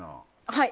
はい。